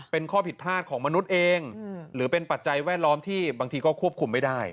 เป็นข้อผิดพลาดของมนุษย์เองหรือเป็นปัจจัยแวดล้อมที่บางทีก็ควบคุมไม่ได้